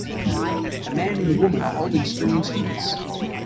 A man and a woman are holding string instruments.